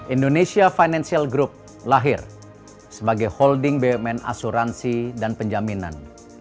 indonesia financial group lahir sebagai holding bumn asuransi dan penjaminan